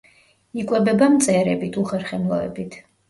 იკვებება მწერებით, უხერხემლოებით.